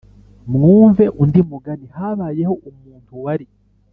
Mwumve undi mugani Habayeho umuntu wari